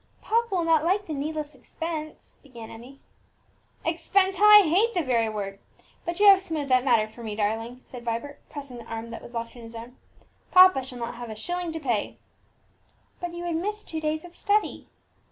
"Papa will not like the needless expense," began Emmie. "Expense! how I hate the very word! But you have smoothed that matter for me, darling," said Vibert, pressing the arm that was locked in his own. "Papa shall not have a shilling to pay." "But you would miss two days of study."